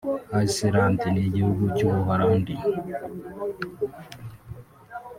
Iceland n’igihugu cy’U Buholande